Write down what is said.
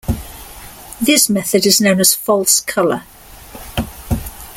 This method is known as false color.